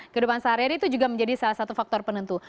kehidupan sehari hari itu juga menjadi salah satu faktor penentu